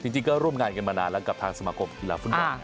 จริงก็ร่วมงานกันมานานแล้วกับทางสมาคมกีฬาฟุตบอล